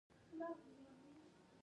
او ورته اړتیا لرو.